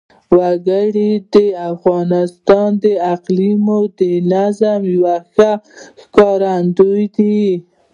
وګړي د افغانستان د اقلیمي نظام یوه ښه ښکارندوی ده.